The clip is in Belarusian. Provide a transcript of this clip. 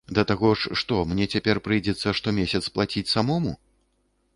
Да таго ж, што, мне цяпер прыйдзецца штомесяц плаціць самому?